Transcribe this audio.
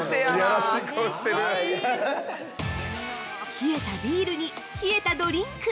◆冷えたビールに冷えたドリンク